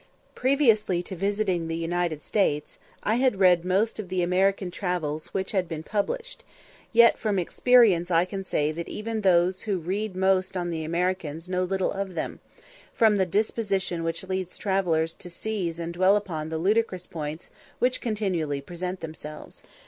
Previously to visiting the United States, I had read most of the American travels which had been published; yet from experience I can say that even those who read most on the Americans know little of them, from the disposition which leads travellers to seize and dwell upon the ludicrous points which continually present themselves.